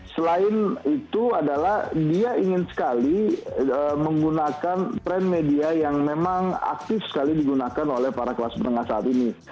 selain itu adalah dia ingin sekali menggunakan tren media yang memang aktif sekali digunakan oleh para kelas menengah saat ini